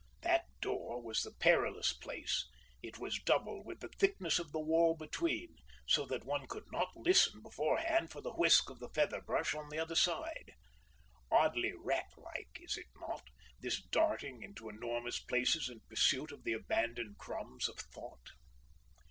That door was the perilous place; it was double with the thickness of the wall between, so that one could not listen beforehand for the whisk of the feather brush on the other side. Oddly rat like, is it not, this darting into enormous places in pursuit of the abandoned crumbs of thought?